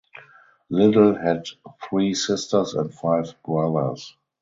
Little had three sisters and five brothers.